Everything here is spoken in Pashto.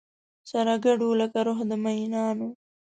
سره ګډو لکه روح د مینانو